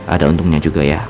ada untungnya juga ya